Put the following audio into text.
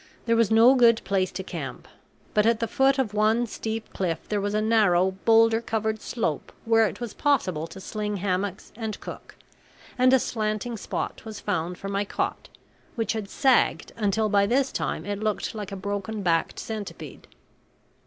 There was no good place to camp. But at the foot of one steep cliff there was a narrow, boulder covered slope where it was possible to sling hammocks and cook; and a slanting spot was found for my cot, which had sagged until by this time it looked like a broken backed centipede.